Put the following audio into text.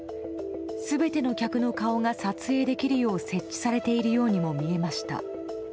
全ての客の顔が撮影できるよう設置されているようにも見えました。